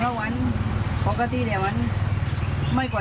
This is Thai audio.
เราไม่ได้แต่งนั้นถ้าว่า